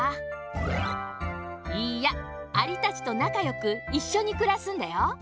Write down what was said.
いいやアリたちとなかよくいっしょにくらすんだよ。